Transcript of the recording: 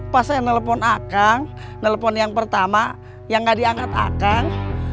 pas saya nelpon akang nelpon yang pertama yang gak diangkat akang